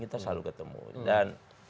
kita selalu ketemu dan